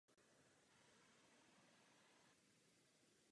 Zde dostala zápal plic.